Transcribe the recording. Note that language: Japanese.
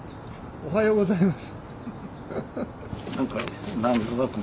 おはようございます。